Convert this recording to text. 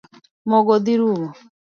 Mogo dhi rumo?